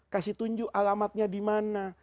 kasih tunjuk alamatnya dimana